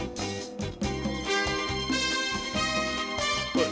おい。